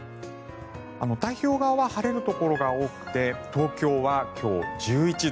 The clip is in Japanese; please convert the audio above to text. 太平洋側は晴れるところが多くて東京は今日、１１度。